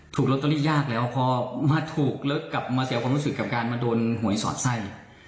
ถูกลอตเตอรี่ยากแล้วพอมาถูกแล้วกลับมาเสียความรู้สึกกับการมาโดนหวยสอดไส้